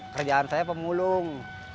kerjaan saya pemulung